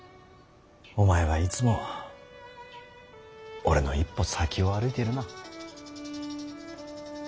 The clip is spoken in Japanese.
お前はいつも俺の一歩先を歩いてるな。